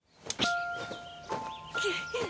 くっ！